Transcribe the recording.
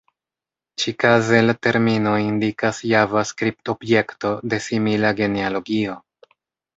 Ĉikaze la termino indikas Javascript-objekto de simila genealogio.